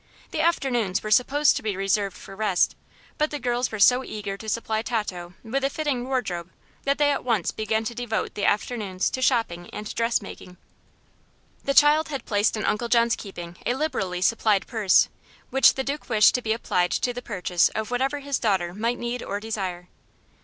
The afternoons were supposed to be reserved for rest, but the girls were so eager to supply Tato with a fitting wardrobe that they at once began to devote the afternoons to shopping and dress making. The child had placed in Uncle John's keeping a liberally supplied purse, which the Duke wished to be applied to the purchase of whatever his daughter might need or desire.